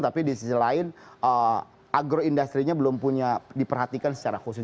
tapi di sisi lain agroindustrinya belum punya diperhatikan secara khusus